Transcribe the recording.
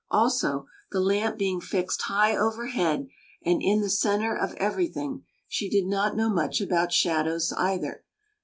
Also, the lamp being fixed high overhead, and in the centre of everything, she did not know much about shadows either.